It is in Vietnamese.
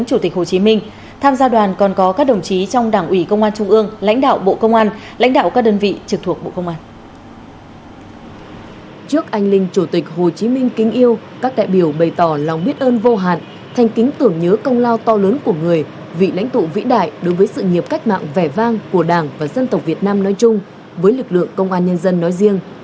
hồ chí minh kính yêu các đại biểu bày tỏ lòng biết ơn vô hạn thành kính tưởng nhớ công lao to lớn của người vị lãnh tụ vĩ đại đối với sự nghiệp cách mạng vẻ vang của đảng và dân tộc việt nam nói chung với lực lượng công an nhân dân nói riêng